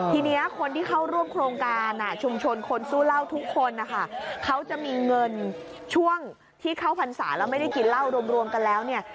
ทีนี้คนที่เข้าร่วมโครงการชุมชนคนสู้เหล้าทุกคนนะคะเขาจะมีเงินช่วงที่เข้าพรรษาแล้วไม่ได้กินเหล้ารวมกันแล้วเนี่ย